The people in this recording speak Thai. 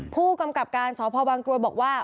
ผู้กำกับการสพบางกรวยบอกว่า